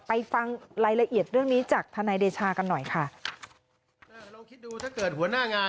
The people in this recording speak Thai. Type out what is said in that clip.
ไปฟังรายละเอียดเรื่องนี้จากทนายเดชากันหน่อยค่ะ